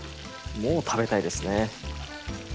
もう食べたいですね。